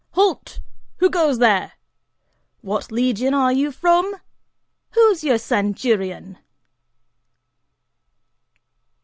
"Halt! Who goes there? What legion are you from? Who's your centurion?"